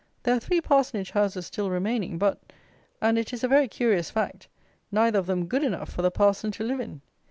There are three parsonage houses still remaining; but, and it is a very curious fact, neither of them good enough for the parson to live in!